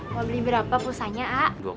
mau beli berapa pulsanya a